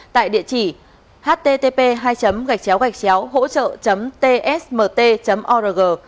tại địa chỉ http hỗtrợ tsmt org